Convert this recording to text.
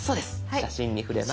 「写真」に触れます。